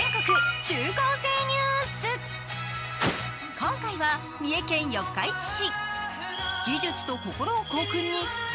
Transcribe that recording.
今回は三重県四日市市。